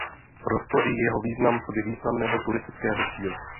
Rostl i jeho význam coby významného turistického cíle.